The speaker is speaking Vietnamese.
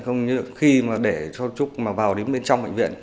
không như khi để trúc vào đến bên trong bệnh viện